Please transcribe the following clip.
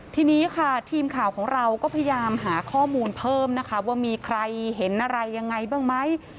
ทีนี้ค่ะทีมข่าวของเราก็พยายามหาข้อมูลเพิ่มนะคะว่ามีใครเห็นอะไรยังไงบ้างไหม